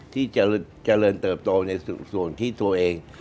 ที่เจริญเติบโตในส่วนที่ตัวเอง